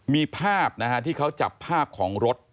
มีภาพนะฮะที่เขาจับภาพของรถ